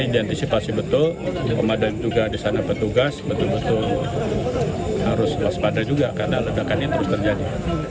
disipasi betul pemadam juga disana petugas betul betul harus pas pada juga karena ledakannya terus terjadi